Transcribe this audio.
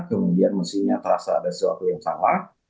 kemudian mestinya terasa ada sesuatu yang salah